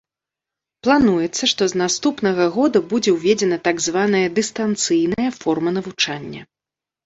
Плануецца, што з наступнага года будзе ўведзена так званая дыстанцыйная форма навучання.